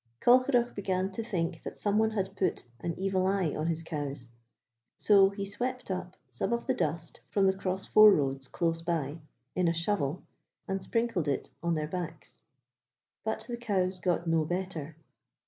Colcheragh began to think that some one had put an evil eye on his cows, so he swept up some of the dust from the cross four roads close by, in a shovel, and sprinkled it on their backs. But the cows got no better.